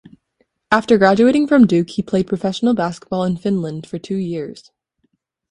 After graduating from Duke, he played professional basketball in Finland for two years.